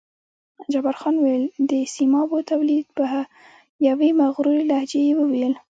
جبار خان وویل: د سیمابو تولید، په یوې مغرورې لهجې یې وویل.